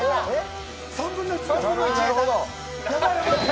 ３分の１だ。